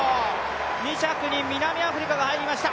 ２着に南アフリカが入りました。